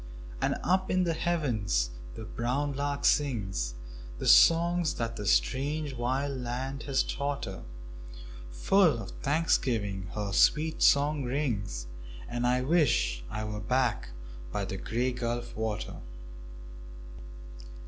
And up in the heavens the brown lark sings The songs that the strange wild land has taught her; Full of thanksgiving her sweet song rings And I wish I were back by the Grey Gulf water.